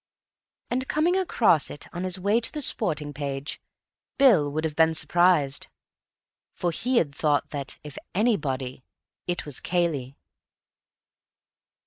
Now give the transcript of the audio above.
And, coming across it on his way to the sporting page, Bill would have been surprised. For he had thought that, if anybody, it was Cayley.